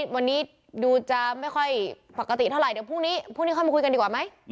วันนี้ดูจะไม่ค่อยปกติเท่าไหร่เดี๋ยวพรุ่งนี้พรุ่งนี้ค่อยมาคุยกันดีกว่าไหม